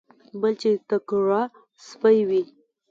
بل چې تکړه سپی وي.